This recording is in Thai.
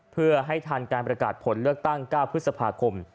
เพื่อให้ทันการประกาศผลเลือกตั้ง๙พฤษภาคม